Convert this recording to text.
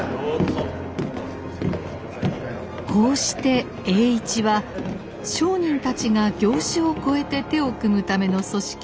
こうして栄一は商人たちが業種を超えて手を組むための組織